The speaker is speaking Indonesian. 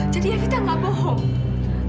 jadi evita gak bohong